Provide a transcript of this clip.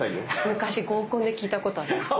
昔合コンで聞いたことあります。